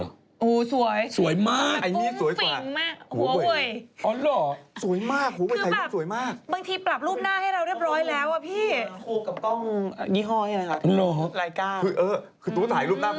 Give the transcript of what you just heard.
อู้สวยสวยมาก